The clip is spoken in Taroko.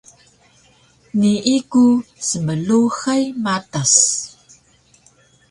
Nii ku smluhay matas